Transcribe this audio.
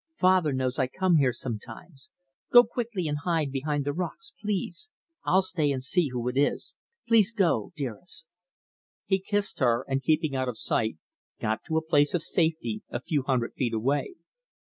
Father knows I come here sometimes. Go quickly and hide behind the rocks, please. I'll stay and see who it is. Please go dearest." He kissed her, and, keeping out of sight, got to a place of safety a few hundred feet away.